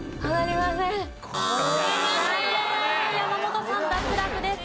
山本さん脱落です。